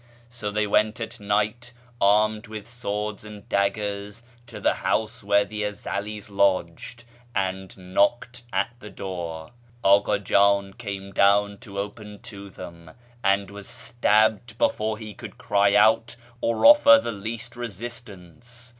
So they wcnit at night, armed with swords and daggers, to the house where the Ezeli's lodged, and knocked at the door. Akii J;in came down to open to them, and was stabbed before he could cry out or otter the least resistance.